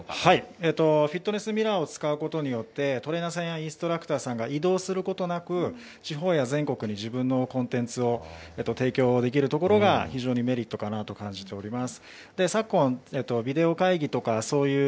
小島さん、トレーナーとしては、こういったジム、どうやってこれからねらいとして展開していくんフィットネスミラーを使うことによって、トレーナーさんやインストラクターさんが移動することなく、地方や全国に自分のコンテンツを提供できるところが、非常にメリットかなと感じております。